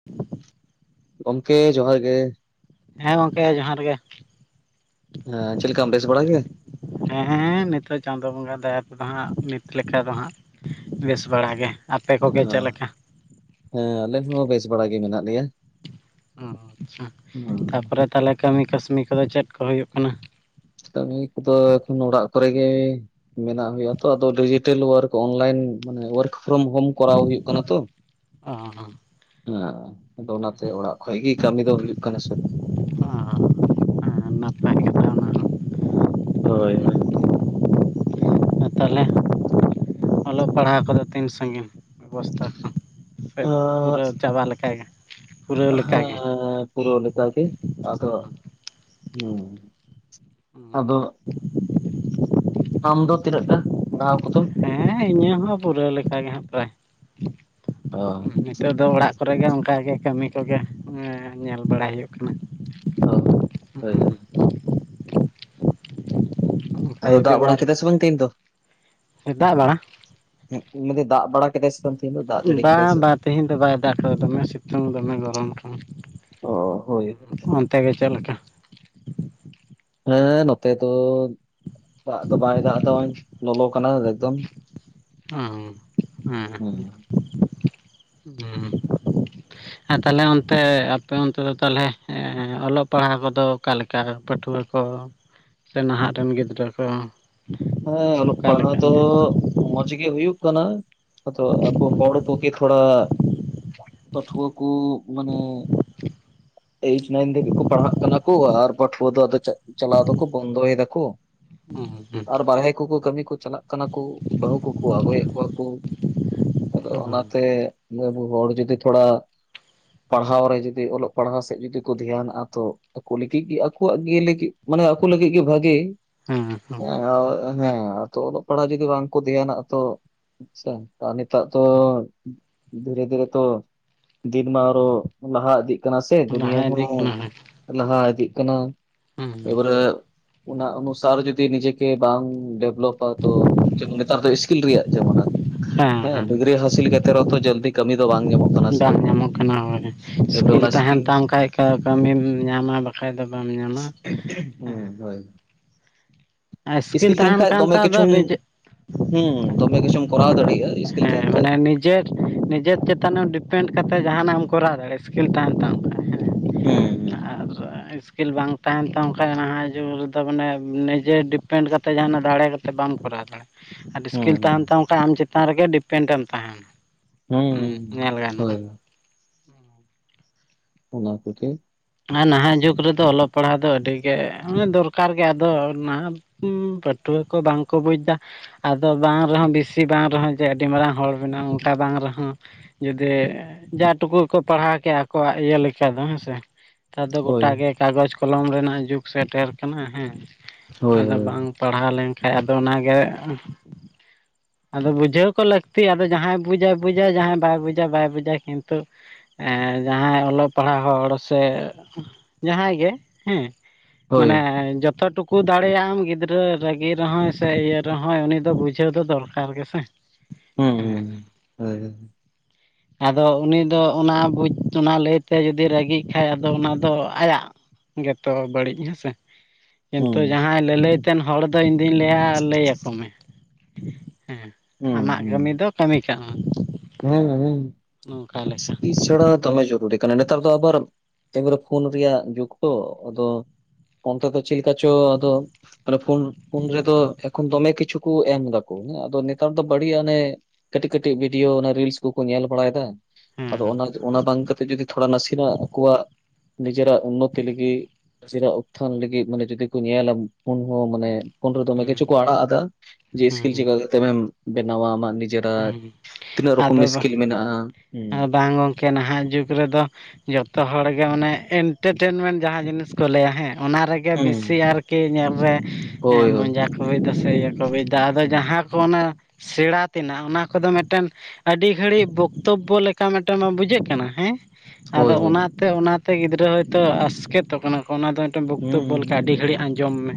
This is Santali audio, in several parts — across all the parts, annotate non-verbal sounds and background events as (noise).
(inaudible) ᱜᱚᱢᱠᱮ ᱡᱚᱦᱟᱨ ᱜᱮ ᱾ ᱦᱮᱸ ᱜᱚᱝᱠᱮ ᱡᱚᱦᱟᱨ ᱜᱮ ᱾ ᱦᱮᱸ ᱪᱮᱫ ᱞᱮᱠᱟᱢ ᱵᱮᱥ ᱵᱟᱲᱟ ᱜᱮ? ᱦᱮᱸ ᱦᱮᱸ ᱱᱤᱛᱚᱜ ᱪᱟᱸᱫᱳ ᱵᱚᱸᱜᱟ ᱫᱟᱭᱟ ᱛᱮᱫᱚ ᱦᱟᱸᱜ ᱱᱤᱛ ᱞᱮᱠᱟ ᱫᱚ ᱦᱟᱸᱜ ᱾ ᱵᱮᱥ ᱵᱟᱲᱟ ᱜᱮ, ᱟᱯᱮ ᱠᱚᱜᱮ ᱦᱮᱸ ᱪᱮᱫ ᱞᱮᱠᱟ? ᱦᱮᱸ ᱟᱞᱮ ᱦᱚᱸ ᱵᱮᱥ ᱵᱟᱲᱟ ᱜᱮ ᱢᱮᱱᱟᱜ ᱞᱮᱭᱟ ᱾ ᱚ ᱟᱪᱪᱷᱟ, ᱛᱟᱯᱚᱨᱮ ᱛᱟᱦᱚᱞᱮ ᱠᱟᱹᱢᱤ ᱠᱟᱹᱥᱱᱤ ᱠᱚᱫᱚ ᱪᱮᱫ ᱠᱚ ᱦᱩᱭᱩᱜ ᱠᱟᱱᱟ? ᱠᱟᱹᱢᱤ ᱠᱚᱫᱚ ᱮᱠᱷᱚᱱ ᱚᱲᱟᱜ ᱠᱚᱨᱮ ᱜᱮ ᱾ ᱢᱮᱱᱟᱜ ᱦᱩᱭᱩᱜ-ᱟ ᱛᱚ ᱟᱫᱚ ᱰᱤᱡᱤᱴᱮᱞ ᱚᱣᱟᱨᱠ ᱚᱱᱞᱟᱭᱤᱱ ᱢᱟᱱᱮ ᱣᱟᱨᱠ ᱯᱷᱨᱚᱢ ᱦᱳᱢ ᱠᱚᱨᱟᱣ ᱦᱩᱭᱩᱜ ᱠᱟᱱᱟ ᱛᱚ, ᱚ ᱦᱮᱸ ᱾ ᱟᱫᱚ ᱚᱱᱟᱛᱮ ᱚᱲᱟᱜ ᱠᱷᱚᱡ ᱜᱮ ᱠᱟᱹᱢᱤ ᱫᱚ ᱦᱩᱭᱩᱜ ᱠᱟᱱᱟ ᱥᱮ ᱾ ᱚ ᱱᱟᱯᱟᱭ ᱠᱟᱛᱷᱟ ᱚᱱᱟ (unintelligible) ᱦᱳᱭ ᱦᱳᱭ ᱾ ᱟᱨ ᱛᱟᱦᱞᱮ ᱚᱞᱚᱜ ᱯᱟᱲᱦᱟᱣ ᱠᱚᱫᱚ ᱛᱤᱱ ᱥᱟᱺᱜᱤᱧ ᱵᱮᱵᱚᱥᱛᱷᱟ ᱠᱚ? ᱥᱮ ᱟᱸ ᱯᱩᱨᱟᱹᱣ ᱪᱟᱵᱟ ᱞᱮᱠᱟᱜᱮ? ᱯᱩᱨᱟᱹᱣ ᱞᱮᱠᱟᱜᱮ ᱦᱮᱸ ᱯᱩᱨᱟᱹᱣ ᱞᱮᱠᱟ ᱜᱮ ᱟᱫᱚ, ᱦᱩᱸ ᱾ ᱟᱫᱚ ᱟᱢ ᱫᱚ ᱛᱤᱱᱟᱹᱜ ᱴᱟ ᱯᱟᱲᱦᱟᱣ ᱠᱚᱫᱚ? ᱦᱮᱸ ᱤᱧᱟᱹᱜ ᱦᱚᱸ ᱯᱩᱨᱟᱹᱣ ᱞᱮᱠᱟ ᱜᱮ ᱦᱟᱸᱜ ᱯᱨᱟᱭ ᱾ ᱚ ᱾ ᱱᱤᱛᱚᱜ ᱫᱚ ᱚᱲᱟᱜ ᱠᱚᱨᱮ ᱜᱮ ᱚᱱᱠᱟ ᱜᱮ ᱠᱟᱹᱢᱤ ᱠᱚᱜᱮ ᱧᱮᱞ ᱵᱟᱲᱟᱭ ᱦᱩᱭᱩᱜ ᱠᱟᱱᱟ ᱾ ᱚ ᱦᱚ ᱦᱳᱭ ᱦᱳᱭ ᱾ (inaudible) ᱟᱫᱚ ᱫᱟᱜ ᱵᱟᱲᱟ ᱠᱮᱫᱟᱭ ᱥᱮ ᱵᱟᱝ ᱛᱮᱦᱮᱧ ᱫᱚ ' ᱦᱮᱸ ᱫᱟᱜ ᱵᱟᱲᱟ ᱫᱟᱜ ᱵᱟᱲᱟ ᱠᱮᱫᱟᱭ ᱥᱮ ᱮᱠᱫᱚᱢ ᱛᱮᱦᱮᱧ ᱫᱚ ᱫᱟᱜ ᱡᱟᱹᱲᱤ ᱠᱮᱫᱟᱭ ᱵᱟᱝ ᱥᱮ ᱵᱟᱝ ᱛᱮᱦᱤᱧ ᱫᱚ ᱵᱟᱭ ᱫᱟᱜ ᱠᱟᱫᱟ ᱫᱚᱢᱮ ᱥᱤᱛᱩᱝ ᱫᱚᱢᱮ ᱜᱚᱨᱚᱢ ᱠᱟᱱᱟ ᱾ ᱚ ᱦᱳᱭ ᱦᱩᱸ ᱚᱱᱛᱮ ᱜᱮ ᱪᱮᱫ ᱞᱮᱠᱟ? ᱦᱮᱸ ᱱᱚᱛᱮ ᱫᱚ ᱫᱟᱜ ᱫᱚ ᱵᱟᱭ ᱫᱟᱜ ᱫᱟ ᱦᱚᱜ-ᱚᱭ ᱞᱚᱞᱚ ᱠᱟᱱᱟ ᱮᱠᱫᱚᱢ ᱾ ᱚᱸ ᱦᱮᱸ ᱦᱩᱸ (inaudible) ᱩᱸ ᱾ ᱦᱮᱸ ᱛᱟᱦᱚᱞᱮ ᱚᱱᱛᱮ ᱟᱯᱮ ᱚᱱᱛᱮ ᱫᱚ ᱛᱟᱦᱚᱞᱮ ᱚᱞᱚᱜ ᱯᱟᱲᱦᱟᱜ ᱠᱚᱫᱚ ᱚᱠᱟ ᱞᱮᱠ? ᱚᱠᱟ ᱨᱮᱱ ᱯᱟᱹᱴᱷᱩᱣᱟᱹ ᱠᱚ ᱥᱮ ᱱᱟᱦᱟᱜ ᱨᱮᱱ ᱜᱤᱫᱽᱨᱟᱹ ᱠᱚ ᱦᱮᱸ ᱚᱞᱚᱜ ᱚᱠᱟ ᱯᱟᱲᱦᱟᱣ ᱞᱮᱠᱟ ᱫᱚ ᱧᱮᱞ ᱢᱚᱸᱡᱽ ᱜᱮ ᱦᱩᱭᱩᱜ ᱠᱟᱱᱟ, ᱟᱫᱚ ᱟᱵᱚ ᱦᱚᱲ ᱠᱚᱜᱮ ᱛᱷᱚᱲᱟ ᱯᱟᱹᱴᱷᱣᱟᱹᱠᱚ ᱠᱚ ᱢᱟᱱᱮ ᱮᱭᱴ ᱱᱟᱭᱤᱱ ᱫᱷᱟᱹᱵᱤᱡ ᱠᱚ ᱯᱟᱲᱦᱟᱜ ᱠᱟᱱᱟ ᱠᱚ ᱟᱨ ᱯᱟᱹᱴᱷᱣᱟᱹ ᱫᱚ ᱟᱫᱚ ᱪᱮᱫ ᱪᱟᱞᱟᱣ ᱫᱚᱠᱚ ᱵᱚᱱᱫᱚᱭ ᱫᱟᱠᱚ ᱾ ᱦᱩᱸ ᱦᱩᱸ ᱾ ᱟᱨ ᱵᱟᱨᱦᱮ ᱠᱚᱠᱚ ᱠᱟᱹᱢᱤ ᱠᱚ ᱪᱟᱞᱟᱜ ᱠᱟᱱᱟ ᱠᱩ ᱵᱟᱹᱦᱩ ᱠᱚᱠᱚ ᱟᱹᱜᱩᱭᱮᱫ ᱠᱚᱣᱟ ᱠᱚ ᱾ ᱟᱫᱚ ᱚᱱᱟ ᱛᱮ ᱟᱵᱩ ᱦᱚᱲ ᱡᱩᱫᱤ ᱛᱷᱚᱲᱟ ᱯᱟᱲᱦᱟᱣ ᱨᱮ ᱡᱩᱫᱤ ᱚᱞᱚᱜ ᱯᱟᱲᱦᱟᱣ ᱥᱮᱫ ᱡᱩᱫᱤ ᱠᱚ ᱫᱷᱮᱭᱱᱟᱜ-ᱟ ᱛᱚ ᱟᱠᱚ ᱞᱟᱹᱜᱤᱫ ᱜᱮ ᱟᱠᱚᱣᱟᱜ ᱜᱮ ᱞᱟᱹᱜᱤᱫ ᱢᱟᱱᱮ ᱟᱠᱚ ᱞᱟᱹᱜᱤᱫ ᱜᱮ ᱵᱷᱟᱜᱮ ᱾ ᱦᱮᱸ ᱾ ᱟᱸ ᱦᱮᱸ ᱛᱚ ᱚᱞᱚᱜ ᱯᱟᱲᱦᱟᱜ ᱡᱩᱚᱫᱤ ᱵᱟᱝ ᱠᱚ ᱫᱷᱮᱭᱟᱱᱟᱜ-ᱟ ᱛᱚ ᱟᱪᱪᱷᱟ, ᱱᱤᱛᱟᱜ ᱫᱚ ᱫᱷᱤᱨᱮ ᱫᱷᱤᱨᱮ ᱛᱚ ᱫᱤᱱ ᱢᱟ ᱟᱨᱚ ᱞᱟᱦᱟ ᱤᱫᱤᱜ ᱠᱟᱱᱟ ᱥᱮ ᱫᱩᱱᱭᱟᱹ ᱞᱟᱦᱟ ᱦᱚᱸ ᱤᱫᱤᱜ ᱠᱟᱱᱟ ᱦᱮᱸ ᱞᱟᱦᱟ ᱤᱫᱤᱜ ᱠᱟᱱᱟ, ᱮᱵᱟᱨᱮ ᱚᱱᱟ ᱚᱱᱩᱥᱟᱨ ᱡᱩᱫᱤ ᱱᱤᱡᱮ ᱛᱮ ᱵᱟᱝ ᱰᱮᱵᱷᱞᱚᱯᱟ ᱛᱚ ᱪᱮᱫ ᱱᱮᱛᱟᱨ ᱫᱚ ᱤᱥᱠᱤᱞ ᱨᱮᱭᱟᱜ ᱡᱟᱢᱟᱱᱟ ᱾ ᱦᱮᱸ ᱰᱤᱜᱽᱨᱤ ᱦᱟᱹᱥᱤᱞ ᱠᱟᱛᱮ ᱨᱮᱦᱚᱸ ᱛᱚ ᱡᱟᱹᱞᱫᱤ ᱠᱟᱹᱢᱤ ᱫᱚ ᱵᱟᱝ ᱧᱟᱢᱚᱜ ᱠᱟᱱᱟ‌᱾ ᱵᱟᱝ ᱧᱟᱢᱚᱜ ᱠᱟᱱᱟ᱾ ᱦᱚᱭ ᱥᱠᱤᱞ ᱛᱟᱦᱮᱟᱸᱱ ᱛᱟᱢ ᱠᱷᱟᱡ ᱠᱟᱹᱢᱤᱢ ᱧᱟᱢᱟ ᱟᱨ ᱵᱟᱠᱷᱟᱡ ᱫᱚ ᱵᱟᱢ ᱧᱟᱢᱟ᱾ ᱦᱮᱸ ᱦᱩᱸ ᱦᱚᱭ ᱥᱠᱤᱞ ᱤᱥᱠᱤᱞ ᱛᱟᱦᱮᱱ ᱠᱷᱟᱡ ᱠᱷᱟᱱ ᱛᱚ ᱫᱚᱢᱮ ᱟᱫᱚ ᱠᱤᱪᱷᱩᱢ ᱱᱤᱡᱮ ᱦᱩᱸ ᱫᱚᱢᱮ ᱠᱤᱪᱩᱢ ᱠᱚᱨᱟᱣ ᱫᱟᱲᱮᱭᱟᱜᱼᱟ᱾ ᱤᱥᱠᱤᱞ ᱦᱮᱸ ᱛᱟᱦᱮᱱ ᱠᱷᱟᱡ ᱢᱟᱱᱮ ᱱᱤᱡᱮᱨ ᱱᱤᱡᱮᱨ ᱪᱮᱛᱟᱱ ᱰᱤᱯᱮᱱᱰ ᱠᱟᱛᱮᱫ ᱡᱟᱦᱟᱱᱟᱜ ᱮᱢ ᱠᱚᱨᱟᱣ ᱫᱟᱲᱮᱭᱟᱜᱼᱟ᱾ ᱥᱠᱤᱞ ᱛᱟᱦᱮᱱ ᱛᱟᱢ ᱠᱷᱟᱡ ᱦᱮᱸ ᱦᱩᱸ ᱼ ᱦᱩᱸ ᱟᱨ ᱥᱠᱤᱞ ᱵᱟᱝ ᱛᱟᱦᱮᱱ ᱛᱟᱢ ᱠᱷᱟᱡ ᱱᱟᱦᱟᱜ ᱡᱩᱜᱽ ᱨᱮᱫᱚ ᱢᱟᱱᱮ, ᱱᱤᱡᱮ ᱰᱤᱯᱮᱱᱰ ᱠᱟᱛᱮ ᱡᱟᱦᱟᱱᱟᱜ ᱫᱟᱲᱮ ᱠᱟᱛᱮ ᱵᱟᱢ ᱠᱚᱨᱟᱣ ᱫᱟᱲᱮᱭᱟᱜᱼᱟ᱾ ᱟᱨ ᱦᱩᱸ ᱤᱥᱠᱤᱞ ᱛᱟᱦᱮᱱ ᱛᱟᱢ ᱠᱷᱟᱡ ᱟᱢ ᱪᱮᱛᱟᱱ ᱨᱮᱜᱮ ᱰᱤᱯᱮᱱᱰ ᱮᱢ ᱛᱟᱦᱮᱱᱟ᱾ ᱦᱩᱸ ᱧᱮᱞ ᱦᱳᱭ ᱜᱟᱱᱚᱜᱼᱟ᱾ ᱚᱱᱟ ᱠᱚᱛᱮ ᱟᱨ ᱱᱟᱦᱟᱜ ᱡᱩᱜᱽ ᱨᱮᱫᱚ ᱚᱞᱚᱜ ᱯᱟᱲᱦᱟᱣ ᱫᱚ ᱟᱹᱰᱤ ᱜᱮ ᱩᱸᱻ ᱫᱚᱨᱠᱟᱨ ᱜᱮ ᱟᱫᱚ ᱱᱟᱦᱟᱼᱜ ᱦᱩᱸ ᱯᱟᱹᱴᱷᱩᱣᱟᱹ ᱠᱚ ᱵᱟᱝ ᱠᱚ ᱵᱩᱡᱽ ᱫᱟ᱾ ᱟᱫᱚ ᱵᱟᱝ ᱨᱮᱦᱚᱸ ᱵᱮᱥᱤ ᱵᱟᱝ ᱨᱮᱦᱚᱸ ᱡᱮ ᱟᱹᱰᱤ ᱢᱟᱨᱟᱝ ᱦᱚᱲ ᱵᱮᱱᱟᱣ ᱚᱱᱠᱟ ᱵᱟᱝ ᱨᱮᱦᱚᱸ ᱡᱩᱫᱤ ᱡᱟ ᱴᱩᱠᱩ ᱠᱚ ᱯᱟᱲᱦᱟᱣ ᱠᱮᱭᱟ᱾ ᱟᱠᱚᱣᱟᱜ ᱤᱭᱟᱹ ᱞᱮᱠᱟ ᱫᱚ ᱦᱮᱸᱥᱮ ᱱᱮᱛᱟᱨ ᱫᱚ ᱦᱳᱭ ᱜᱚᱴᱟ ᱜᱮ ᱠᱟᱜᱚᱡᱽ ᱠᱚᱞᱚᱢ ᱨᱮᱱᱟᱜ ᱡᱩᱜᱽ ᱥᱮᱴᱮᱨ ᱠᱟᱱᱟ ᱦᱮᱸ ᱦᱳᱭ ᱟᱫᱚ ᱦᱳᱭ ᱵᱟᱝ ᱯᱟᱲᱦᱟᱣ ᱞᱮᱱᱠᱷᱟᱡ ᱟᱫᱚ ᱚᱱᱟ ᱜᱮ ᱟᱫᱚ ᱵᱩᱡᱷᱟᱹᱣ ᱠᱚ ᱞᱟᱹᱠᱛᱤ ᱟᱫᱚ ᱡᱟᱦᱟᱸᱭ ᱵᱩᱡᱟᱭ ᱵᱩᱡᱟᱭ ᱡᱟᱦᱟᱸᱭ ᱵᱟᱭ ᱵᱩᱡᱟ ᱵᱟᱭ ᱵᱩᱡᱟ᱾ ᱠᱤᱱᱛᱩᱼᱼ ᱮᱸ ᱡᱟᱸᱦᱟᱭ ᱚᱞᱚᱜ ᱯᱟᱲᱦᱟᱣ ᱦᱚᱲ᱾ ᱥᱮ ᱡᱟᱦᱟᱸᱭ ᱜᱮ ᱦᱮᱸ, ᱦᱳᱭ ᱢᱟᱱᱮ ᱡᱚᱛᱚ ᱴᱩᱠ ᱠᱩ ᱫᱟᱲᱮᱭᱟᱜ ᱟᱢ ᱜᱤᱫᱽᱨᱟᱹ ᱨᱟᱹᱜᱤ ᱨᱮᱦᱚᱸᱭ ᱥᱮ ᱤᱭᱟᱹ ᱨᱮᱦᱚᱸᱭ ᱩᱱᱤ ᱫᱚ ᱵᱩᱡᱷᱟᱹᱣ ᱫᱚ ᱫᱚᱨᱠᱟᱨ ᱜᱮ ᱥᱮ᱾ ᱦᱩᱸ ᱦᱩᱸ ᱦᱮᱸ ᱦᱳᱭ ᱟᱫᱚ ᱩᱱᱤ ᱫᱚ ᱚᱱᱟ ᱵᱩᱡᱽ ᱚᱱᱟ ᱞᱟᱹᱭ ᱛᱮ ᱡᱩᱫᱤ ᱨᱟᱹᱜᱤᱜ ᱠᱷᱟᱡ ᱟᱫᱚ ᱚᱱᱟ ᱫᱚ ᱟᱭᱟᱜ ᱜᱮᱛᱚ ᱵᱟᱹᱲᱤᱡ ᱦᱮᱸᱥᱮ, ᱠᱤᱱᱛᱩ ᱦᱩᱸ ᱡᱟᱦᱟᱸᱭ ᱞᱟᱹᱞᱟᱹᱭᱛᱮᱱ ᱦᱚᱲ ᱫᱚ ᱤᱧ ᱫᱩᱧ ᱞᱟᱹᱭᱟ ᱞᱟᱹᱭ ᱟᱠᱚ ᱢᱮ ᱦᱮᱸ ᱟᱢᱟᱜ ᱠᱟᱹᱢᱤ ᱫᱚ ᱠᱟᱹᱢᱤ ᱠᱟᱜ ᱠᱟᱱᱟ᱾ ᱦᱩᱸ ᱼ ᱦᱩᱸ ᱫᱚᱢᱮ ᱡᱚᱨᱩᱲᱤ ᱠᱟᱱᱟ ᱱᱮᱛᱟᱨ ᱫᱚ ᱟᱵᱟᱨ ᱯᱷᱳᱱ ᱨᱮᱭᱟᱜ ᱡᱩᱜᱽ ᱛᱚ ᱟᱫᱚᱼᱼᱼ ᱚᱱᱛᱮ ᱫᱚ ᱪᱮᱫᱞᱮᱠᱟ ᱪᱚ ᱟᱫᱚ᱾ ᱟᱨ ᱯᱷᱳᱱ ᱯᱷᱳᱱ ᱨᱮᱫᱚ ᱮᱠᱷᱚᱱ ᱫᱚᱢᱮ ᱠᱤᱪᱷᱩ ᱠᱚ ᱮᱢᱫᱟᱠᱚ ᱟᱫᱚ ᱱᱮᱛᱟᱨ ᱫᱚ ᱵᱟᱹᱲᱤᱡᱟᱜ ᱚᱱᱮ ᱠᱟᱹᱴᱤᱡ ᱠᱟᱹᱴᱤᱡ ᱵᱤ ᱰᱤᱭᱳ ᱨᱤᱞᱥ ᱠᱚᱼᱠᱚ ᱧᱮᱞ ᱵᱟᱲᱟᱭ ᱮᱫᱟ᱾ ᱟᱫᱚ ᱦᱮᱸ ᱚᱱᱟ ᱵᱟᱝ ᱠᱟᱛᱮ ᱡᱚᱫᱤ ᱛᱷᱚᱲᱟ ᱱᱟᱥᱮᱱᱟᱜ ᱟᱠᱚᱣᱟᱼᱜ ᱱᱤᱡᱮᱨᱟᱜ ᱩᱱᱱᱚᱛᱤ ᱞᱟᱹᱜᱤᱫ᱾ ᱡᱮᱨᱟᱜ ᱩᱛᱷᱟᱱ ᱞᱟᱹᱜᱤᱫ ᱢᱟᱱᱮ ᱡᱩᱫᱤ ᱠᱚ ᱧᱮᱞᱟ ᱯᱷᱩᱱ ᱦᱚᱸ ᱢᱟᱱᱮᱼᱼᱼ ᱩᱱᱤ ᱫᱚ ᱫᱚᱢᱮ ᱠᱤᱪᱷᱩ ᱦᱩᱸ ᱠᱚ ᱟᱲᱟᱜ ᱮᱫᱟ᱾ ᱡᱮ ᱥᱤᱥᱠᱤᱞ ᱦᱩᱸ ᱪᱤᱠᱟ ᱠᱟᱛᱮᱢ ᱵᱮᱱᱟᱣᱟ ᱟᱢᱟᱜ ᱱᱤᱡᱮᱨᱟᱼᱜ ᱦᱩᱸ ᱛᱤᱱᱟᱹᱜ ᱨᱚᱠᱚᱢ ᱤᱥᱠᱤᱞ ᱢᱮᱱᱟᱜᱼᱟ᱾ ᱦᱩᱸ ᱠᱮ ᱱᱟᱦᱟᱜ ᱡᱩᱜᱽ ᱨᱮᱫᱚ ᱡᱚᱛᱚ ᱦᱚᱲᱜᱮ ᱢᱟᱱᱮ ᱮᱱᱴᱟᱨᱴᱮᱱᱢᱮᱱᱴ ᱡᱟᱦᱟᱸ ᱡᱤᱱᱤᱥ ᱠᱚ ᱞᱟᱹᱭᱟ ᱦᱮᱸ ᱚᱱᱟ ᱨᱮᱜᱮᱼᱼ ᱦᱩᱸ ᱵᱮᱥᱤ ᱟᱨᱠᱤ ᱧᱮᱞᱨᱮ ᱦᱳᱭ ᱦᱳᱭ ᱢᱚᱡᱟ ᱠᱚ ᱵᱩᱡᱽᱫᱟ᱾ ᱥᱮ ᱤᱭᱟᱹ ᱠᱚ ᱵᱩᱡᱽᱫᱟ ᱟᱫᱚ ᱦᱩᱸ ᱡᱟᱦᱟᱸ ᱚᱱᱟ ᱥᱮᱬᱟ ᱛᱮᱱᱟᱜ ᱚᱱᱟ ᱠᱚᱫᱚ ᱢᱤᱫᱴᱮᱱ ᱟᱹᱰᱤ ᱜᱷᱟᱹᱲᱤᱡ ᱵᱚᱠᱛᱚᱵᱵᱚ ᱞᱮᱠᱟ ᱢᱤᱫᱴᱮᱱ ᱵᱟᱝ ᱵᱩᱡᱷᱟᱹᱜ ᱠᱟᱱᱟ ᱦᱮᱸ, ᱦᱳᱭ ᱟᱫᱚ ᱦᱳᱭ ᱚᱱᱟᱛᱮ ᱚᱱᱟᱛᱮ ᱜᱤᱫᱽᱨᱟᱹ ᱦᱚᱭᱛᱳ ᱟᱥᱠᱮᱛᱚᱜ ᱠᱟᱱᱟ ᱾ ᱠᱚ ᱚᱱᱟ ᱫᱚ ᱵᱚᱠᱛᱚᱵᱚ ᱦᱩᱸ ᱞᱮᱠᱟ ᱟᱹᱰᱤ ᱜᱷᱟᱹᱲᱤᱡ ᱟᱸᱡᱚᱢ ᱢᱮ,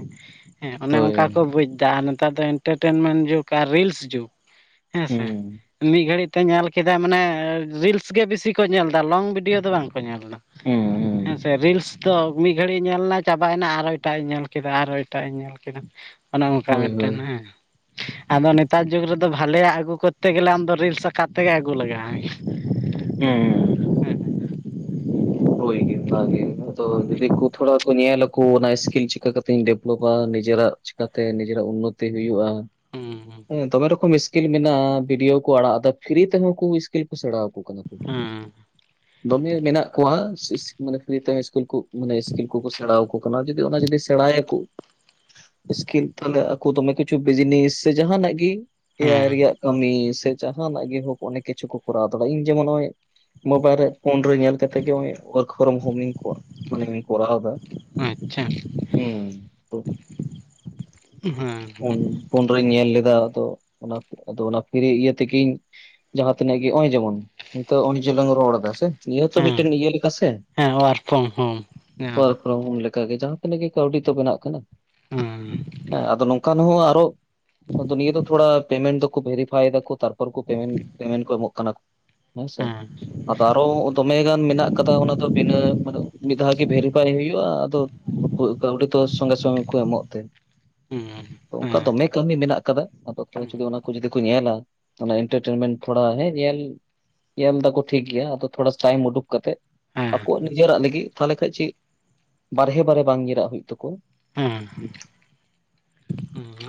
ᱦᱮᱸ ᱚᱱᱮ ᱦᱳᱭ ᱚᱱᱠᱟ ᱠᱚ ᱵᱩᱡᱽᱫᱟ᱾ ᱟᱨ ᱱᱮᱛᱟᱨ ᱫᱚ ᱤᱱᱴᱟᱴᱮᱱᱢᱮᱱ ᱡᱩᱜᱽ ᱟᱨ ᱨᱤᱞᱥ ᱡᱩᱜᱽ ᱦᱮᱸᱥᱮ᱾ ᱦᱩᱸ ᱢᱤᱫ ᱜᱷᱲᱤᱡ ᱛᱮ ᱧᱮᱞ ᱠᱮᱫᱟᱭ ᱢᱟᱱᱮ ᱨᱤᱞᱥ ᱜᱮ ᱵᱤᱥᱤ ᱠᱚ ᱧᱮᱞᱫᱟ ᱞᱚᱝ ᱵᱷᱤᱰᱤᱭᱳ ᱫᱚ ᱵᱟᱝ ᱠᱚ ᱧᱮᱞᱫᱟ᱾ ᱦᱩ ᱸ ᱦᱮᱸ ᱥᱮ ᱨᱤᱞᱥ ᱫᱚ ᱢᱤᱫ ᱜᱷᱟᱹᱲᱤᱡ ᱮ ᱧᱮᱞᱟ, ᱪᱟᱵᱟᱭᱱᱟ ᱟᱨᱦᱚᱸ ᱮᱴᱟᱜᱟᱜ ᱮ ᱧᱮᱞ ᱠᱮᱫᱟ᱾ ᱟᱨᱦᱚᱸ ᱮᱴᱟᱜᱟᱜ ᱮ ᱧᱮᱞ ᱠᱮᱫᱟ᱾ ᱚᱱᱮ ᱚᱱᱠᱟ ᱦᱳᱭ ᱦᱳᱭ ᱢᱤᱫᱴᱮᱱ ᱦᱮᱸ ᱟᱫᱚ ᱱᱮᱛᱟᱨ ᱡᱩᱜᱽ ᱨᱮᱫᱚ ᱫᱚ ᱵᱷᱟᱞᱮᱭᱟᱼᱜ ᱟᱹᱜᱩ ᱠᱚᱨᱛᱮ ᱜᱮᱞᱮ ᱟᱢᱫᱚ ᱨᱤᱞᱥ ᱟᱠᱟᱨ ᱛᱮᱜᱮ ᱟᱹᱜᱩ ᱞᱟᱜᱟ ᱢᱮᱭᱟ᱾ ᱦᱩᱸ ᱦᱳᱭ ᱜᱮ ᱚᱱᱟ ᱜᱮ ᱱᱟᱜ ᱾ ᱟᱫᱚ ᱡᱩᱫᱤ ᱠᱚ ᱛᱷᱚᱲᱟ ᱠᱚ ᱧᱮᱞᱟᱠᱚ ᱚᱱᱟ ᱥᱠᱤᱱ ᱪᱮᱠᱟ ᱠᱟᱛᱮᱧ ᱰᱮᱵᱷᱞᱚᱯᱟ ᱱᱤᱡᱮᱨᱟᱜ ᱪᱷᱮ ᱹᱹᱹ ᱠᱟᱛᱮ ᱱᱤᱡᱮᱨᱟᱜ ᱩᱱᱱᱚᱛᱤ ᱦᱩᱭᱩᱜᱼᱟ ᱾ ᱝᱚᱸᱻᱹᱹᱹ ᱾ ᱦᱮᱸ ᱫᱚᱢᱮ ᱨᱚᱠᱚᱢ ᱤᱥᱠᱤᱞ ᱢᱮᱱᱟᱜᱼᱟ ᱵᱷᱤᱰᱭᱳ ᱠᱚ ᱟᱲᱟᱜ ᱮᱫᱟ ᱯᱷᱤᱨᱤ ᱛᱮᱦᱚᱸ ᱠᱩ ᱤᱥᱠᱤᱞ ᱠᱩ ᱥᱮᱸᱬᱟ ᱹᱹᱹ ᱚᱠᱟ ᱠᱟᱛᱮ ᱦᱩᱸ ᱫᱚᱢᱮ ᱢᱮᱱᱟᱜ ᱠᱚᱣᱟ ᱢᱟᱱᱮ ᱯᱷᱨᱤ ᱛᱮ ᱤᱥᱠᱩᱞ ᱠᱚ ᱹᱹᱹ ᱢᱟᱱᱮ ᱥᱠᱤᱞ ᱠᱚᱠᱚ ᱥᱮᱸᱬᱟ ᱟᱠᱚ ᱠᱟᱱᱟ ᱡᱩᱫᱤ ᱚᱱᱟ ᱡᱩᱫᱤ ᱥᱮᱸᱬᱟᱭᱟᱠᱚ ᱹᱹ ᱹ ᱤᱥᱠᱤᱞ ᱛᱟᱦᱚᱞᱮ ᱟᱠᱚ ᱫᱚᱢᱮ ᱠᱤᱪᱷᱩ ᱵᱤᱡᱽᱱᱤᱥ ᱥᱮ ᱡᱟᱦᱱᱟᱜ ᱜᱮ ᱮᱟᱭᱟᱭ ᱦᱩᱸ ᱨᱮᱭᱟᱜ ᱠᱟᱹᱢᱤ ᱥᱮ ᱹᱹᱹ ᱡᱟᱦᱱᱟᱜ ᱜᱮ ᱦᱳᱠ ᱚᱱᱮᱠ ᱠᱤᱪᱷᱩ ᱠᱚ ᱠᱚᱨᱟᱣ ᱫᱟᱲᱮᱭᱟᱜ-ᱟ ᱤᱧ ᱡᱮᱢᱚᱱ ᱱᱚᱜ ᱚᱭ ᱢᱳᱵᱟᱭᱤᱞ ᱨᱮ ᱯᱷᱳᱱ ᱨᱮ ᱧᱮᱞ ᱠᱟᱛᱮ ᱛᱮᱜᱮ ᱱᱚᱜᱚᱭ ᱚᱛᱠᱷᱚᱝ ᱵᱷᱩᱢᱤᱦᱤᱱ ᱠᱚᱣ-ᱟᱜ ᱢᱟᱱᱮ ᱞᱤᱧ ᱠᱚᱨᱟᱣ ᱫᱟ ᱦᱩᱸ ᱾ ᱰᱷᱟᱹᱼ ᱠᱩᱲᱻᱦᱮᱸ ᱾ ᱩᱱ ᱩᱱᱨᱤᱧ ᱧᱮᱞ ᱞᱮᱫᱟ ᱟᱫᱚ ᱚᱱᱟ ᱟᱫᱚ ᱚᱱᱟ ᱯᱤᱤᱨ ᱤᱭᱟᱹ ᱛᱮᱜᱤᱧ ᱹᱹᱹ ᱡᱟᱦᱟᱸᱛᱤᱱᱟᱹᱜ ᱜᱮ ᱱᱚᱜ ᱚᱭ ᱡᱮᱢᱚᱱ ᱱᱤᱛᱚᱜ ᱚᱱᱮ ᱡᱮᱞᱟᱝ ᱨᱚᱲ ᱮᱫᱟ ᱥᱮ ᱾ ᱱᱤᱭᱟᱹ ᱛᱚ ᱦᱮᱸ ᱢᱤᱫᱴᱮᱱ ᱤᱭᱟᱹ ᱞᱮᱠᱟ ᱥᱮ ᱦᱮᱸ ᱳᱣᱟᱨᱠ ᱯᱷᱨᱚᱢ ᱦᱳᱢ ᱧᱟᱢ ᱠᱚᱭᱠᱨᱚᱢᱚᱱ ᱞᱮᱠᱹᱹᱹ ᱠᱟᱜᱮ ᱡᱟᱦᱟᱸ ᱛᱤᱱᱟᱹᱜ ᱜᱮ ᱠᱟᱹᱣᱰᱤ ᱛᱚ ᱵᱮᱱᱟᱜ ᱠᱟᱱᱟ ᱦᱮᱸ ᱾ ᱦᱮᱸ ᱱᱚᱝᱠᱟᱱ ᱦᱚᱸ ᱟᱨᱚ ᱹᱹᱹ ᱟᱫᱚ ᱱᱤᱭᱟᱹ ᱫᱚ ᱛᱷᱚᱲᱟ ᱯᱮᱢᱮᱱᱴ ᱫᱚᱠᱚ ᱵᱷᱮᱨᱤᱯᱷᱟᱭ ᱫᱟᱠᱚ ᱛᱟᱨᱯᱚᱨ ᱠᱚ ᱯᱮᱼ ᱢᱮᱱᱴ ᱯᱮᱢᱮᱱᱴ ᱠᱚ ᱮᱢᱚᱜ ᱠᱟᱱᱟ ᱾ ᱦᱮᱸ ᱥᱮ? ᱟᱫᱚ ᱟᱨᱚ ᱫᱚᱢᱮ ᱜᱟᱱ ᱢᱮᱱᱟᱜ ᱠᱟᱫᱟ ᱚᱱᱟ ᱫᱚ ᱵᱤᱱᱟᱹ ᱢᱤᱫ ᱫᱷᱟᱣ ᱜᱮ ᱵᱷᱮᱨᱤᱯᱷᱟᱭ ᱦᱩᱭᱩᱜᱼᱟ ᱾ᱟᱫᱚ ᱹᱹᱹᱹ ᱵᱟᱠᱠᱚ ᱦᱩᱭᱩᱜ ᱠᱷᱟᱡ ᱚᱸᱰᱮᱛᱚ ᱥᱚᱝᱜᱮ ᱥᱚᱝᱜᱮ ᱠᱚ ᱮᱢᱚᱜ ᱛᱮ ᱹᱹᱹ ᱢᱚᱸᱻᱸ ᱛᱚ, ᱚᱱᱠᱟ ᱫᱚᱢᱮ ᱠᱟᱹᱢᱤ ᱢᱮᱱᱟᱜ ᱟᱠᱟᱫᱟ ᱟᱫᱚ ᱡᱩᱫᱤ ᱚᱱᱟ ᱠᱚ ᱡᱩᱫᱤ ᱠᱚ ᱧᱮᱞᱟ? ᱚᱱᱟ ᱮᱱᱴᱮᱴᱱᱢᱮᱱ ᱛᱷᱚᱲᱟᱸ ᱦᱮ ᱧᱮᱞ ᱧᱮᱞ ᱫᱟᱠᱚ ᱴᱷᱤᱠ ᱜᱮᱭᱟ ᱟᱫᱚ ᱛᱷᱚᱲᱟ ᱴᱟᱭᱤᱢ ᱳᱸᱰᱩᱳᱠ ᱠᱟᱛᱮ ᱾ ᱦᱮᱸ ᱟᱠᱚᱣᱟᱜ ᱱᱤᱡᱮᱨᱟᱜ ᱞᱟᱹᱜᱤᱫ ᱛᱟᱦᱞᱮ ᱠᱷᱟᱱ ᱪᱮᱫ, ᱵᱟᱨᱦᱮ ᱵᱟᱨᱮ ᱵᱟᱝ ᱧᱤᱨᱟᱜ ᱦᱩᱭᱩᱜ ᱛᱟᱠᱚᱣᱟ ᱾ ᱦᱮᱸᱻ ᱦᱩᱸ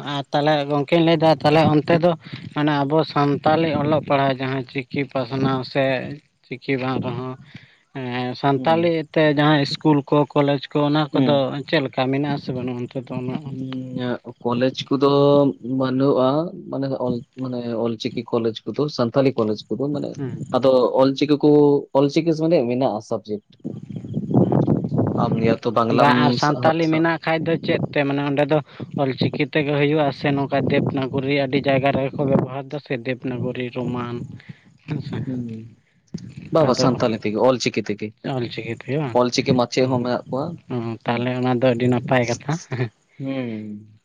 ᱻ ᱾ ᱟᱨ ᱛᱟᱦᱚᱞᱮ ᱜᱚᱢᱠᱮᱧ ᱞᱟᱹᱭᱫᱟ ᱛᱟᱦᱚᱞᱮ ᱚᱱᱛᱮ ᱫᱚ ᱢᱟᱱᱮ ᱟᱵᱚ ᱥᱟᱱᱛᱟᱞᱤ ᱚᱞᱚᱜ ᱯᱟᱲᱦᱟᱣ ᱡᱟᱦᱟᱸ ᱸ ᱪᱤᱠ ᱪᱤᱠᱤ ᱯᱟᱥᱱᱟᱣ ᱥᱮ ᱪᱤᱠᱤ ᱵᱟᱝ ᱨᱮᱦᱚᱸ ᱮᱸᱜ ᱦᱩᱸ ᱥᱟᱱᱛᱟᱞᱤ ᱛᱮ ᱡᱟᱦᱟᱸ ᱤᱥᱠᱩᱞ ᱠᱚ ᱠᱚᱞᱮᱡᱽ ᱠᱚ ᱚᱱᱟ ᱦᱩᱸ ᱠᱚᱫᱚ ᱪᱮᱫ ᱞᱮᱠᱟ ᱢᱮᱱᱟᱜᱼᱟ ᱥᱮ ᱵᱟᱹᱱᱩᱜ ᱟ ᱱᱤᱡ? ᱩ-ᱧ-ᱧᱟ ᱠᱚᱞᱮᱡᱽ ᱠᱚᱫᱚ ᱵᱟᱹᱱᱩᱜᱼᱟ ᱢᱟᱱᱮ ᱢᱟᱱᱮ ᱚᱞᱪᱤᱠ ᱠᱤ ᱠᱚᱞᱡᱽ ᱠᱚᱫᱚ ᱥᱟᱱᱛᱟᱞᱤ ᱠᱚᱞᱡᱽ ᱠᱚᱫᱚ ᱢᱟᱱᱮ ᱦᱮᱸ ᱟᱫᱚ ᱚᱞᱪᱤᱠᱤ ᱠᱚ ᱹᱹᱹ ᱚᱞᱪᱤᱠᱤ ᱥᱚᱸᱜᱮ ᱢᱮᱱᱟᱜᱼᱟ ᱥᱟᱵᱡᱮᱴ ᱾ ᱟᱢ ᱱᱤᱭᱟ ᱛᱚ ᱵᱟ ᱵᱟᱝᱞᱟᱢ ᱟᱨ ᱥᱟᱦᱟᱛ ᱥᱟᱱᱛᱟᱞᱤ ᱟ ᱢᱮᱱᱟᱜ ᱠᱷᱟᱡ ᱫᱚ ᱪᱮᱫ ᱛᱮ ᱢᱟᱱᱮ ᱚᱸᱰᱮ ᱫᱚ ᱚᱞᱪᱤᱠᱤ ᱛᱮᱜᱮ ᱦᱳᱭᱩᱳᱜᱼᱟ ᱥᱮ ᱱᱚᱝᱠᱟ ᱫᱮᱵᱽᱱᱟᱜᱚᱨᱤ? ᱟᱹᱰᱤ ᱡᱟᱭᱜᱟ ᱨᱮ ᱹᱹ. ᱹ ᱠᱚ ᱵᱮᱵᱚᱦᱟᱨ ᱫᱟ ᱥᱮ ᱫᱮᱵᱽᱱᱟᱜᱚᱨᱤ ᱨᱳᱢᱟᱱ? ᱦᱮᱸᱥᱮ ᱦᱩᱸᱻ, ᱵᱟᱵᱟ ᱟᱫᱚ ᱥᱟᱱᱛᱟᱞᱤ ᱛᱮᱜᱮ ᱚᱞᱪᱤᱠᱤ ᱛᱮᱜᱮ ᱾ ᱚᱞᱪᱤᱠᱤ ᱛᱮᱜᱮ ᱵᱟᱝ, ᱠᱚᱣᱟ ᱩᱸ ᱛᱟᱦᱞᱮ ᱚᱱᱟ ᱫᱚ ᱟᱹᱰᱤ ᱱᱟᱯᱟᱭ ᱠᱟᱛᱷᱟ ᱾ ᱩᱸᱻ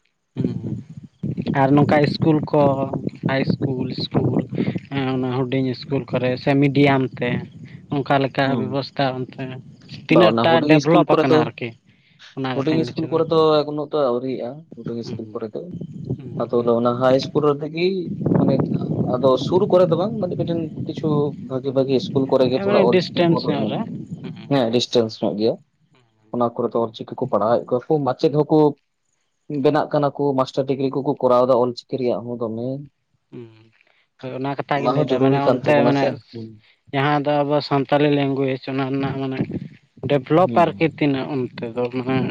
ᱩᱹ ᱟᱨ ᱱᱚᱝᱠᱟ ᱥᱠᱩᱞ ᱠᱚ ᱦᱟᱭ ᱤᱥᱠᱩᱞ ᱤᱥᱠᱩᱞ ᱚᱱᱟ ᱦᱩᱰᱤᱧ ᱤᱥᱠᱩᱞ ᱾ ᱠᱚᱨᱮ ᱥᱮ ᱢᱤᱰᱤᱭᱟᱢ ᱛᱮ ᱚᱱᱠᱟ ᱞᱮᱠᱟ ᱦᱩᱸ ᱵᱮᱵᱚᱥ ᱵᱟ ᱛᱤᱱᱟᱹᱜ ᱚᱱᱟ ᱴᱟ ᱦᱩᱰᱤᱧ ᱤᱥᱠᱩᱞ ᱰᱮᱵᱷᱞᱚᱯ ᱠᱚᱨᱮ ᱟᱠᱟᱱᱟ ᱫᱚ ᱟᱨᱠᱤ? ᱚᱱᱟ ᱦᱩᱰᱤᱧ ᱠᱟᱛᱷᱟᱧ ᱞᱟᱹᱭ ᱤᱥᱠᱩᱞ ᱦᱚᱪᱚᱭᱫᱟ ᱠᱚᱨᱮ ᱫᱚ ᱮᱠᱷᱚᱱᱛᱚ ᱟᱹᱣᱨᱤᱭᱟᱜᱼᱟ ᱦᱩᱰᱤᱝ ᱤᱥᱠᱩᱞ ᱠᱚᱨᱮ ᱫᱚ ᱟᱛᱳ ᱨᱮ ᱚᱱᱟ ᱦᱟᱭ ᱤᱥᱠᱩᱞ ᱨᱮ ᱞᱟᱜᱤ? ᱢᱟᱱᱮ ᱹᱹᱹ ᱟᱫᱚ ᱥᱩᱨ ᱠᱚᱨᱮ ᱫᱚ ᱵᱟᱝ ᱢᱟᱱ ᱢᱤᱫᱴᱮᱱ ᱠᱤᱪᱷᱩ ᱵᱷᱟᱜᱮ ᱵᱷᱟᱜᱮ ᱥᱤᱥᱠᱩᱞ ᱠᱚᱨᱮ ᱜᱮ ᱦᱮᱸ ᱛᱷᱚᱲᱟ ᱢᱟᱱᱮ ᱚᱞᱪᱤᱠᱤ ᱠᱚ ᱰᱤᱥᱴᱮᱱᱥ ᱢᱚᱴᱨᱚᱜ ᱧᱚᱜ ᱮᱱᱟ ᱨᱮ ᱾ ᱦᱮᱸ ᱰᱤᱥᱴᱮᱱᱥ ᱧᱚᱜ ᱜᱮᱭᱟ, ᱚᱱᱟ ᱠᱚᱨᱮ ᱫᱚ ᱚᱞᱪᱤᱠᱤ ᱠᱚ ᱯᱟᱲᱦᱟᱣᱮᱫ ᱠᱚᱣᱟ ᱢᱟᱪᱮᱫ ᱦᱚᱸᱠᱚ ᱵᱮᱱᱟᱜ ᱠᱟᱱᱟ ᱠᱚ ᱢᱟᱥᱴᱟᱨ ᱰᱤᱜᱽᱨᱤ ᱠᱚᱠᱚ ᱠᱚᱨᱟᱣ ᱮᱫᱟ ᱚᱞᱪᱤᱠᱤ ᱨᱮᱭᱟᱜ ᱦᱚᱸ ᱫᱚᱢᱮ ᱹᱹᱹᱹ ᱩᱹᱻᱳᱭ ᱚᱱᱟ ᱠᱟᱛᱷᱟ ᱜᱤᱧ ᱞᱟᱹᱭᱫᱟ ᱡᱚᱨᱩᱨᱤ ᱢᱟᱱᱮ ᱠᱟᱱ ᱚᱱᱛᱮ ᱛᱟᱵᱚᱱᱟ ᱢᱟᱱᱮ ᱥᱮ ᱦᱩᱸ ᱹᱹᱻ ᱡᱟᱦᱟᱸ ᱫᱚ ᱟᱵᱚ ᱥᱟᱱᱛᱟᱞᱤ ᱞᱮᱝᱜᱩᱭᱮᱡᱽ ᱚᱱᱟ ᱨᱮᱱᱟᱜ ᱢᱟᱱᱮ ᱰᱮᱵᱷᱞᱚᱯ ᱦᱩᱸ ᱟᱨᱠᱤ ᱹᱹᱹᱹ ᱛᱤᱱᱟᱹᱜ ᱚᱱᱛᱮ ᱫᱚ ᱢᱟᱱᱮ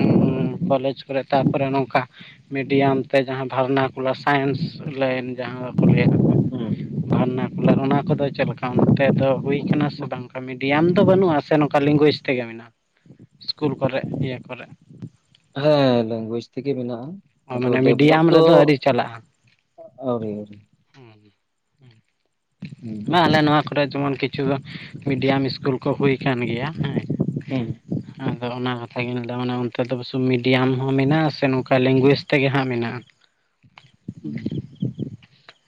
ᱠᱚᱞᱮᱡᱽ ᱠᱚᱨᱮ ᱛᱟᱨᱯᱚᱨᱮ ᱱᱚᱝᱠᱟ ᱹᱹᱹᱹ ᱢᱤᱰᱤᱭᱟᱢ ᱛᱮ ᱡᱟᱦᱟᱸ ᱵᱷᱟᱨᱱᱟᱠᱩᱞᱟᱨ ᱥᱟᱭᱮᱱᱥ ᱞᱟᱭᱤᱱ ᱡᱟᱦᱟᱸ ᱫᱚ ᱠᱚ ᱞᱟᱹᱭᱟ ᱦᱩᱸᱻ ᱵᱷᱟᱨᱱᱟ ᱠᱩᱞᱟᱨ ᱚᱱᱟ ᱠᱚᱫᱚ ᱪᱮᱫᱞᱮᱠᱟ ᱚᱱᱛᱮ ᱫᱚ ᱦᱩᱭ ᱠᱟᱱᱟ ᱥᱮ ᱵᱟᱝ ᱢᱤᱫ? ᱜᱮᱭᱟᱱ ᱫᱚ ᱵᱟᱹᱱᱩᱜᱼᱟ ᱥᱮ ᱱᱚᱝᱠᱟ ᱞᱮᱝᱜᱩᱭᱮᱡ ᱛᱮᱜᱮ ᱢᱮᱱᱟᱜᱼᱟ, ᱥᱠᱩᱞ ᱠᱚᱨᱮ, ᱤᱭᱟᱹ ᱠᱚᱨᱮ? ᱦᱮᱸ ᱞᱮᱝᱜᱩᱭᱮᱡ ᱛᱮᱜᱮ ᱢᱮᱱᱟᱜᱼᱟ ᱟᱫᱚ ᱢᱟᱱᱮ ᱰᱮᱵᱞᱚᱯ ᱢᱤᱰᱤᱭᱟᱢ ᱫᱚ ᱨᱮᱫᱚ ᱟᱹᱣᱨᱤ ᱪᱟᱞᱟᱜᱼᱟ (unintelligible) ᱦᱩᱸ ᱵᱟᱝ ᱟᱞᱮ ᱱᱚᱣᱟ ᱠᱚᱨᱮ ᱡᱮᱢᱚᱱ ᱠᱤᱪᱷᱩ ᱢᱤᱰᱤᱭᱟᱢ ᱤᱥᱠᱩᱞ ᱠᱚ ᱦᱩᱭ ᱠᱟᱱ ᱜᱮᱭᱟ ᱦᱮᱸ, ᱦᱩᱸ ᱟᱫᱚ ᱚᱱᱟ ᱠᱟᱛᱷᱟ ᱜᱤᱧ ᱞᱟᱹᱭ ᱫᱟ ᱢᱟᱱᱮ ᱚᱱᱛᱮ ᱫᱚ (unintelligible) ᱢᱤᱰᱤᱭᱟᱢ ᱦᱚᱸ ᱢᱮᱱᱟᱜᱼᱟ ᱥᱮ ᱱᱚᱝᱠᱟ ᱞᱮᱝᱜᱩᱭᱮᱡ ᱛᱮᱜᱮ ᱦᱟᱸᱜ ᱢᱮᱱᱟᱜᱼᱟ? (inaudible)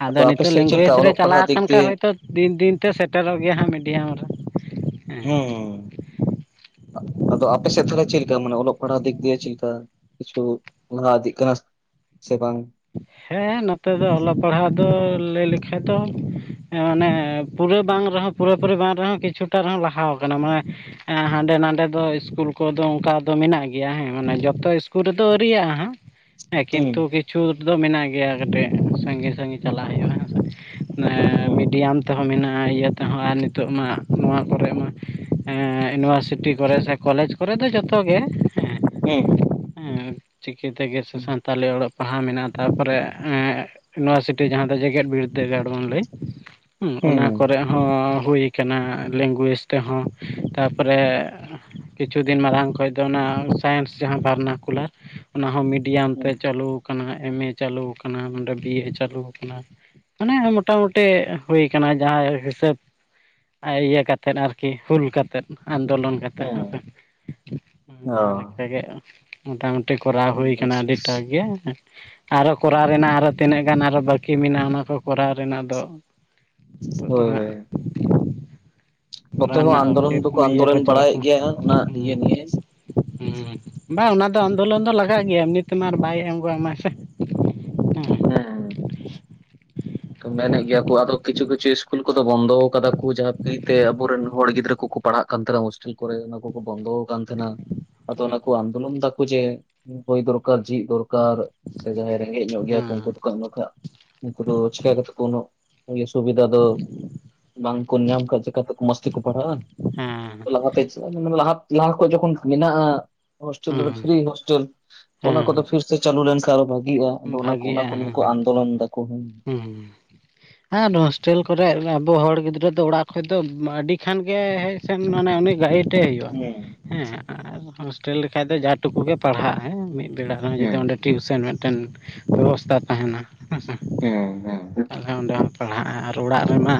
ᱟᱫᱚ ᱟᱯᱮ ᱱᱤᱛᱚᱜ ᱥᱮᱫ ᱪᱮᱫ ᱞᱮᱠᱟ ᱞᱮᱝᱜᱩᱭᱮᱡ ᱨᱮ ᱚᱞᱚᱜ ᱪᱟᱞᱟᱣ ᱯᱟᱲᱦᱟᱜ ᱫᱤᱠ ᱟᱠᱟᱱ ᱠᱷᱟᱡ ᱫᱤᱭᱮ ᱦᱚᱭᱛᱳ ᱫᱤᱱ ᱫᱤᱱ ᱛᱮ ᱥᱮᱴᱮᱨᱚᱜ ᱜᱮᱭᱟ ᱦᱟᱸᱜ ᱢᱤᱰᱤᱭᱟᱢ ᱨᱮ᱾ ᱦᱮᱸ ᱟ ᱟᱫᱚ ᱟᱯᱮ ᱥᱮᱫ ᱛᱟᱞᱦᱮ ᱪᱮᱫ ᱞᱮᱠᱟ ᱢᱟᱱᱮ ᱚᱞᱚᱜ ᱯᱟᱲᱦᱟᱣ ᱫᱤᱠ ᱫᱤᱭᱮ ᱪᱮᱫ ᱞᱮᱠᱟ᱾ ᱠᱤᱪᱷᱩ ᱢᱟᱱᱟᱣ ᱤᱫᱤ ᱠᱟᱱᱟ ᱥᱮ ᱵᱟᱝ? ᱦᱮᱸ ᱱᱚᱛᱮ ᱫᱚ ᱚᱞᱚᱜ ᱯᱟᱲᱦᱟᱜ ᱫᱚ ᱞᱟᱹᱭ ᱞᱮᱠᱷᱟᱡ ᱫᱚ ᱦᱮᱸ ᱢᱟᱱᱮ ᱯᱩᱨᱟᱹ ᱵᱟᱝ ᱨᱮᱦᱚᱸ ᱯᱩᱨᱟᱹ ᱯᱩᱨᱤ ᱵᱟᱝ ᱨᱮᱦᱚᱸ ᱠᱤᱪᱷᱩᱴᱟ ᱨᱮᱦᱚᱸ ᱞᱟᱦᱟᱣ ᱠᱟᱱᱟ᱾ ᱢᱟᱱᱮ ᱮᱸ ᱦᱟᱸᱰᱮ ᱱᱟᱰᱮ ᱫᱚ ᱤᱥᱠᱩᱞ ᱠᱚᱫᱚ ᱚᱱᱠᱟ ᱫᱚ ᱢᱮᱱᱟᱜ ᱜᱮᱭᱟ ᱦᱮᱸ ᱢᱟᱱᱮ ᱡᱚᱛᱚ ᱤᱥᱠᱩᱞ ᱨᱮᱫᱚ ᱟᱹᱣᱨᱤᱭᱟᱜᱼᱟ ᱦᱟᱸᱜ᱾ ᱦᱮᱸ ᱠᱤᱱᱛᱩ ᱦᱩᱸ ᱠᱤᱪᱷᱩ ᱫᱚ ᱢᱮᱱᱟᱜ ᱜᱮᱭᱟ ᱠᱟᱹᱴᱤᱡ ᱥᱟᱺᱜᱤᱧ ᱥᱟᱺᱜᱤᱧ ᱪᱟᱞᱟᱜ ᱦᱩᱭᱩᱜᱼᱟ ᱦᱮᱸᱥᱮ᱾ ᱢᱟᱱᱮ ᱦᱩᱸ ᱢᱤᱰᱤᱭᱟᱢ ᱛᱮᱦᱚᱸ ᱢᱮᱱᱟᱜᱼᱟ ᱤᱭᱟ ᱛᱮᱦᱚᱸ ᱟᱨ ᱱᱤᱛᱚᱜ ᱢᱟ ᱱᱚᱣᱟ ᱠᱚᱨᱮᱜ ᱢᱟ ᱮᱸ ᱤᱭᱩᱱᱤᱵᱷᱟᱨᱥᱤᱴᱤ ᱠᱚᱨᱮᱜ ᱥᱮ ᱠᱚᱞᱮᱡᱽ ᱠᱚᱨᱮ ᱫᱚ ᱡᱚᱛᱚ ᱜᱮ ᱦᱮᱸ (unintelligible) ᱦᱮᱸ ᱪᱤᱠᱤ ᱛᱮᱜᱮ ᱥᱮ ᱥᱟᱱᱛᱟᱞᱤ ᱚᱞᱚᱜ ᱯᱟᱲᱦᱟᱣ ᱢᱮᱱᱟᱜᱼᱟ ᱛᱟᱨᱯᱚᱨᱮ ᱤᱭᱩᱱᱤᱵᱷᱟᱨᱥᱤᱴᱤ ᱡᱟᱦᱟᱸ ᱫᱚ ᱡᱮᱜᱮᱫ ᱵᱤᱨᱫᱟᱹᱜᱟᱲ ᱵᱚᱱ ᱞᱟᱹᱭ ᱦᱩᱸ ᱚᱱᱟ ᱠᱚᱨᱮ ᱦᱚᱸ ᱦᱩᱭ ᱟᱠᱟᱱᱟ ᱞᱮᱝᱜᱩᱭᱮᱡᱽ ᱛᱮᱦᱚᱸ, ᱛᱟᱯᱚᱨᱮ ᱠᱤᱪᱷᱩ ᱫᱤᱱ ᱢᱟᱲᱟᱝ ᱠᱷᱚᱡ ᱫᱚ ᱚᱱᱟ ᱥᱟᱭᱮᱱᱥ ᱡᱟᱦᱟᱸ ᱵᱟᱨᱱᱟ ᱠᱩᱞᱟᱨ᱾ ᱚᱱᱟᱦᱚᱸ ᱢᱤᱰᱤᱭᱟᱢ ᱛᱮ ᱦᱩᱸ ᱪᱟᱹᱞᱩ ᱠᱟᱱᱟ ᱮᱢ ᱮ ᱪᱟᱹᱞᱩ ᱟᱠᱟᱱᱟ ᱱᱚᱰᱮ ᱵᱤ ᱮ ᱪᱟᱹᱞᱩ ᱟᱠᱟᱱᱟ᱾ ᱢᱟᱱᱮ ᱢᱚᱴᱟ-ᱢᱩᱴᱤ ᱦᱩᱭ ᱠᱟᱱᱟ ᱡᱟᱦᱟᱸ ᱦᱤᱥᱟᱹᱵᱽ ᱟᱭ ᱤᱭᱟᱹ ᱠᱟᱛᱮᱫ ᱟᱨᱠᱤ ᱦᱩᱞ ᱠᱟᱛᱮᱫ ᱟᱱᱫᱳᱞᱚᱱ ᱠᱟᱛᱮ ᱦᱮᱸᱥᱮ ᱦᱩᱸ ᱡᱟᱦᱟᱸ ᱞᱮᱠᱟ ᱜᱮ ᱢᱚᱴᱟᱢᱩ ᱛᱮ ᱠᱚᱨᱟᱣ ᱚ ᱦᱩᱭᱩ ᱠᱟᱱᱟ ᱵᱮᱥ ᱟᱹᱰᱤ ᱵᱮᱥ ᱴᱟ ᱜᱮ᱾ ᱟᱨᱦᱚ ᱠᱚᱨᱟᱣ ᱨᱮᱱᱟᱜ ᱟᱨᱦᱚ ᱛᱤᱱᱟᱹᱜ ᱜᱟᱱ ᱟᱨᱚ ᱵᱟᱹᱠᱤ ᱢᱮᱱᱟᱜᱼᱟ ᱚᱱᱟ ᱠᱚ ᱠᱚᱨᱟᱣ ᱨᱮᱱᱟᱜ ᱫᱚ᱾ ᱦᱳᱭ ᱦᱟᱸᱜ ᱦᱮᱸ᱾ ᱨᱟᱱ ᱨᱮᱱᱟᱜ ᱟᱱᱫᱳᱞᱚᱱ ᱫᱚᱠᱚ (unintelligible) ᱤᱭᱟᱹ ᱠᱚ ᱟᱱᱫᱳᱞᱚᱱ ᱪᱟᱞᱟᱜ ᱵᱟᱲᱟᱭᱮᱫ ᱠᱟᱱᱟ, ᱜᱮᱭᱟ ᱚᱱᱟ ᱤᱭᱟᱹ ᱦᱩᱸ᱾ ᱱᱤᱭᱮ ᱦᱩᱸ, ᱵᱟᱝ ᱚᱱᱟ ᱫᱚ ᱟᱱᱫᱳᱞᱚᱱ ᱫᱚ ᱞᱟᱜᱟᱜ ᱜᱮᱭᱟ, ᱮᱢᱱᱤ ᱛᱮᱢᱟ ᱟᱨ ᱵᱟᱭ ᱮᱢᱜᱚᱜ ᱟᱢᱟ᱾ (unintelligible) ᱦᱩᱸ᱾ (inaudible) ᱢᱮᱱᱮᱜ ᱜᱮᱭᱟ ᱠᱚ ᱟᱫᱚ ᱠᱤᱪᱷᱩ ᱠᱤᱪᱷᱩ ᱤᱥᱠᱩᱞ ᱠᱚᱫᱚ ᱵᱚᱱᱫᱚ ᱠᱟᱫᱟ ᱠᱩ ᱡᱟᱦᱟᱸ ᱯᱷᱤᱨᱤᱛᱮ ᱟᱵᱚᱨᱮᱱ ᱦᱚᱲ ᱜᱤᱫᱽᱨᱟᱹ ᱠᱳᱠᱳ, ᱯᱟᱲᱦᱟᱜ ᱠᱟᱱ ᱛᱟᱦᱮᱸᱱᱟ ᱦᱳᱥᱴᱮᱞ ᱠᱚᱨᱮ ᱚᱱᱟ ᱠᱚᱠᱚ ᱵᱚᱱᱫᱚ ᱟᱠᱟᱱ ᱛᱟᱦᱮᱸᱱᱟ ᱟᱫᱚ ᱚᱱᱟ ᱠᱚ ᱟᱱᱫᱳᱞᱚᱱ ᱫᱟ᱾ ᱩᱱᱠᱩ ᱡᱮ ᱵᱳᱭ ᱫᱚᱨᱠᱟᱨ ᱪᱤ ᱫᱚᱨᱠᱟᱨ ᱥᱮ ᱡᱟᱦᱟᱸᱭ ᱨᱮᱸᱜᱮᱡ ᱧᱚᱜ ᱜᱮᱭᱟᱭᱚ ᱩᱱᱠᱩ ᱫᱚᱠᱚ (unintelligible) ᱩᱱᱠᱩ ᱫᱚ ᱪᱤᱠᱟ ᱠᱟᱛᱮ ᱳᱱᱳᱜ ᱦᱳᱭ ᱥᱩᱵᱤᱫᱷᱟ ᱫᱚ, ᱵᱟᱝ ᱠᱚ ᱧᱟᱢ ᱠᱷᱟᱫ ᱪᱤᱠᱟᱹ ᱛᱮᱠᱚ ᱢᱚᱸᱡᱽ ᱛᱮᱠᱚ ᱯᱟᱲᱦᱟᱜ-ᱟ᱾ ᱦᱮᱸ ᱞᱟᱦᱟᱛᱮ (unintelligible) ᱞᱟᱦᱟ ᱞᱟᱦᱟ ᱠᱷᱚᱡ ᱡᱚᱠᱷᱚᱱ ᱢᱮᱱᱟᱜᱼᱟ ᱦᱳᱥᱴᱮᱞ ᱨᱮ ᱦᱮᱸ ᱯᱷᱨᱤ ᱦᱳᱥᱴᱮᱞ᱾ ᱛᱚ ᱚᱱᱟ ᱠᱚ ᱫᱚ ᱦᱮᱸ ᱯᱷᱤᱨ ᱥᱮ ᱪᱟᱹᱞᱩ ᱞᱮᱱᱠᱷᱟ ᱟᱨᱚ ᱵᱷᱟᱜᱤᱜᱼᱟ ᱟᱫᱚ ᱚᱱᱟ ᱠᱚ ᱱᱤᱭᱟᱹ ᱠᱚ ᱟᱱᱫᱳᱞᱚᱱ ᱫᱟᱠᱚ ᱦᱩᱸ ᱾ ᱦᱩᱸ᱾ ᱟᱨ ᱦᱳᱥᱴᱮᱞ ᱠᱚᱨᱮᱜ, ᱟᱵᱚ ᱦᱚᱲ ᱜᱤᱫᱽᱨᱟᱹ ᱫᱚ ᱚᱲᱟᱜ ᱠᱷᱚᱡ ᱫᱚ ᱟᱹᱰᱤ ᱠᱷᱟᱱ ᱜᱮ ᱥᱮᱱ ᱢᱟᱱᱮ ᱩᱱᱤ ᱜᱟᱭᱤᱰ ᱛᱮ ᱦᱳᱭᱳᱜ-ᱟ, ᱦᱮᱸ ᱟᱨ ᱦᱳᱥᱴᱮᱞ ᱞᱮᱠᱷᱟᱡ ᱫᱚ ᱡᱟ ᱴᱩᱠᱩ ᱜᱮ ᱯᱟᱲᱦᱟᱜ-ᱟ ᱟᱭ ᱢᱤᱫᱴᱮᱱ ᱵᱮᱲᱟ ᱦᱚᱸ ᱡᱩᱫᱤ ᱦᱮᱸ ᱚᱸᱰᱮ ᱴᱤᱭᱩᱥᱮᱱ ᱢᱤᱫᱴᱮᱱ ᱵᱮᱵᱚᱥᱛᱟ ᱛᱟᱦᱮᱸᱱᱟ ᱦᱮᱸ, ᱦᱮᱸ ᱚ᱾ ᱛᱟᱞᱦᱮ ᱚᱸᱰᱮ ᱦᱚᱸ ᱯᱟᱲᱦᱟᱜ-ᱟ, ᱟᱨ ᱚᱲᱟᱜ ᱨᱮᱢᱟ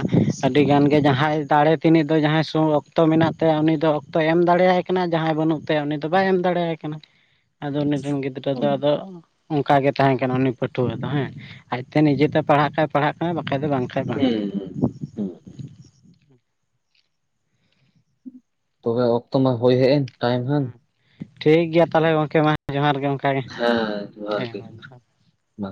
ᱟᱹᱰᱤ ᱜᱟᱱ ᱜᱮ ᱡᱟᱦᱟᱭ ᱫᱟᱲᱮ ᱛᱤᱱᱤᱜ ᱫᱚ ᱡᱟᱦᱟᱭ ᱥᱚᱝ ᱚᱠᱛᱚ ᱢᱮᱱᱟᱜ ᱛᱟᱭᱟ ᱩᱱᱤ ᱫᱚ ᱚᱠᱛᱚᱭ ᱮᱢ ᱫᱟᱲᱮᱭᱟᱭ ᱠᱟᱱᱟᱭ, ᱡᱟᱦᱟᱭ ᱵᱟᱹᱱᱩᱜ ᱛᱮ ᱩᱱᱤ ᱫᱚ ᱵᱟᱭ ᱮᱢ ᱫᱟᱲᱮᱭᱟᱭ ᱠᱟᱱᱟ᱾ ᱟᱫᱚ ᱩᱱᱤᱨᱮᱱ ᱜᱤᱫᱽᱨᱟᱹ ᱫᱚ ᱟᱫᱚ ᱚᱱᱠᱟ ᱜᱮ ᱛᱟᱦᱮᱸ ᱠᱟᱱᱟ ᱩᱱᱤ ᱯᱟᱹᱴᱷᱩᱣᱟᱹ ᱨᱮᱫᱚ ᱦᱮᱸᱼᱼ ᱛᱮ ᱱᱤᱡᱮᱛᱮ ᱯᱟᱲᱦᱟᱜ ᱠᱷᱟᱭ ᱯᱟᱲᱦᱟᱜ ᱠᱟᱱᱟᱭ ᱵᱟᱠᱷᱟᱡ ᱫᱚ ᱵᱟᱝ, ᱠᱷᱟᱡ ᱵᱟᱝᱜᱮ ᱦᱩᱸ ᱛᱚᱵᱮ ᱚᱠᱛᱚ ᱢᱟ ᱦᱩᱭᱳ ᱦᱮᱡ ᱮᱱ ᱴᱟᱭᱤᱢ ᱦᱟᱸᱜᱼᱼ ᱴᱷᱤᱠ ᱜᱮᱭᱟ ᱛᱟᱦᱞᱮ ᱜᱚᱝᱠᱮ ᱢᱟ ᱡᱚᱦᱟᱨ ᱜᱮ ᱜᱚᱝᱠᱮ᱾ ᱦᱮᱸ ᱡᱚᱦᱟᱨ ᱜᱮ ᱢᱟ᱾